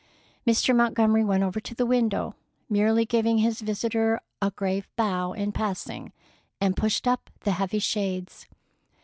Mr. Montgomery went over to the window, merely giving his visitor a grave bow in passing, and pushed up the heavy shades.